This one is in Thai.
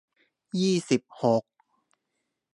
ยี่สิบหก